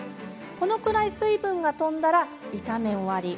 これくらい水分が飛んだら炒め終わり。